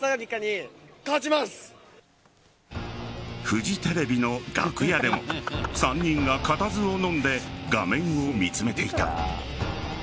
フジテレビの楽屋でも３人が固唾をのんで画面を見つめていた。